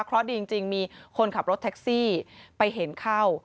เพราะดีจริงมีคนขับรถแท็กซี่ไปเห็นเข้า